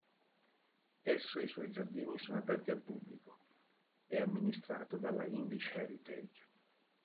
Esso e i suoi giardini sono aperti al pubblico; è amministrato dalla "English Heritage".